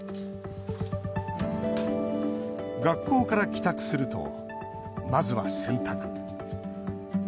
学校から帰宅すると、まずは洗濯。